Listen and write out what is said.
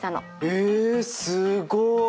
えすごい！